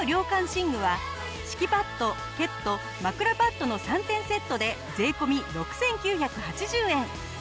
寝具は敷きパッドケット枕パッドの３点セットで税込６９８０円。